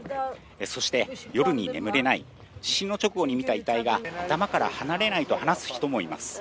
そして、夜に眠れない、地震の直後に見た遺体が頭から離れないと話す人もいます。